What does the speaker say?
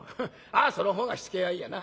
あその方が火つけがいいやな。